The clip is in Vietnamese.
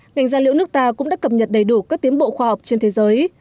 ngành gia liễu nước ta cũng đã cập nhật đầy đủ các tiến bộ khoa học trên thế giới